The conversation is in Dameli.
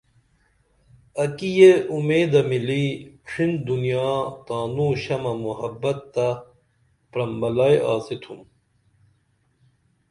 اکی یہ اُمیدہ مِلی ڇھن دنیا تانوں شمع محبت تہ پرمبلائی آڅتُھم